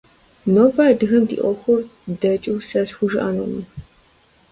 Нобэ адыгэм ди Ӏуэхур дэкӀыу сэ схужыӀэнукъым.